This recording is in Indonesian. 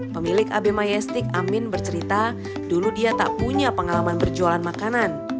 pemilik ab mayastik amin bercerita dulu dia tak punya pengalaman berjualan makanan